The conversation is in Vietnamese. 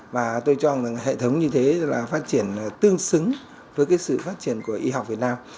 và tôi cho hệ thống như thế là phát triển tương xứng với sự phát triển của y học việt nam